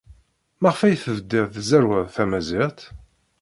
Maɣef ay tebdid tzerrwed tamaziɣt?